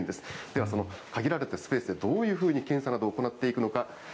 ではその限られたスペースでどういうふうに検査などを行っていくのか。